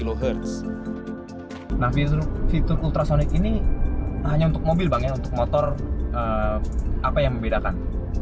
nah fitur ultrasonic ini hanya untuk mobil bang ya untuk motor apa yang membedakan